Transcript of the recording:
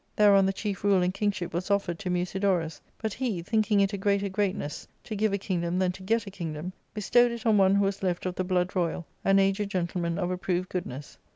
Thereon the ^. chief rule and kingship was offered to Musidorus ; but he, I thinking it a greater greatness to give a kingdom than to } get a kingdom, bestowed it on one who was left of the blood ^ royal, an aged gentleman of approved goodness.